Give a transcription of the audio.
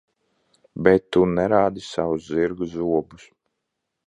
Bet tu nerādi savus zirga zobus.